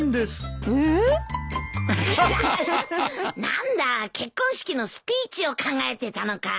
何だ結婚式のスピーチを考えてたのか。